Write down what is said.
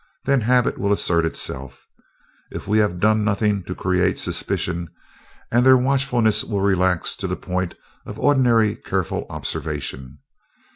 Then habit will assert itself, if we have done nothing to create suspicion, and their watchfulness will relax to the point of ordinary careful observation.